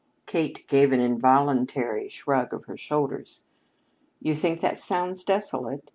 Kate gave an involuntary shrug of her shoulders. "You think that sounds desolate?